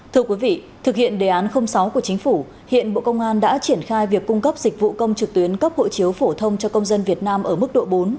thưa quý vị thực hiện đề án sáu của chính phủ hiện bộ công an đã triển khai việc cung cấp dịch vụ công trực tuyến cấp hộ chiếu phổ thông cho công dân việt nam ở mức độ bốn